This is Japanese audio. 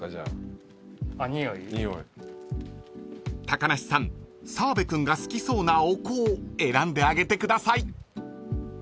［高梨さん澤部君が好きそうなお香選んであげてください］